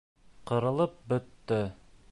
Ҡырылып бөттө.